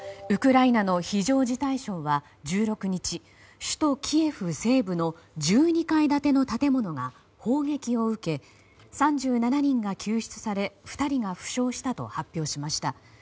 ウクライナの非常事態省は１６日首都キエフ西部の１２階建ての建物が砲撃を受け、３７人が救出され２人が負傷したと発表しました。